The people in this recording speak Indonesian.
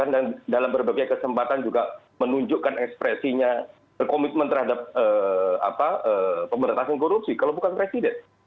dan dalam berbagai kesempatan juga menunjukkan ekspresinya komitmen terhadap pemerintah korupsi kalau bukan presiden